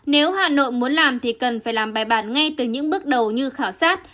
nếu hà nội muốn làm thì cần phải làm bài bản ngay từ những bước đầu như khảo sát